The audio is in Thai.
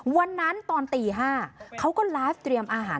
วันนั้นตอนตี๕เขาก็ไลฟ์เตรียมอาหาร